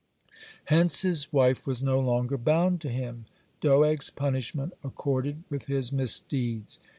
Hence his wife was no longer bound to him. (105) Doeg's punishment accorded with his misdeeds.